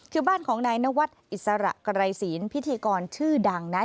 คือบ้านของนายนวัดอิสระไกรศีลพิธีกรชื่อดังนะ